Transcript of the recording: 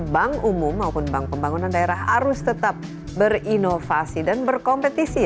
bank umum maupun bank pembangunan daerah harus tetap berinovasi dan berkompetisi